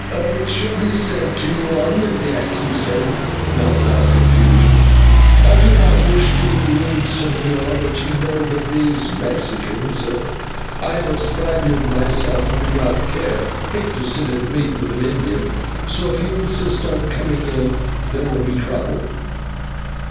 "It shall be sent to you on the deck," he said, not without confusion. "I do not wish to be rude, señor, but you know that these Mexicans I am a Spaniard myself and do not care hate to sit at meat with an Indian, so, if you insist upon coming in, there will be trouble."